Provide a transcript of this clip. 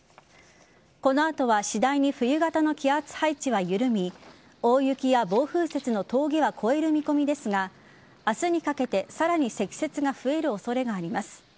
この後は次第に冬型の気圧配置は緩み大雪や暴風雪の峠は越える見込みですが明日にかけて、さらに積雪が増える恐れがあります